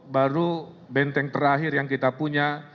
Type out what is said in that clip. baru benteng terakhir yang kita punya